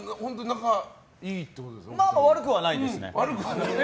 悪くはないですね。